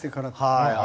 はい。